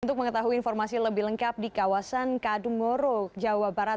untuk mengetahui informasi lebih lengkap di kawasan kadungoro jawa barat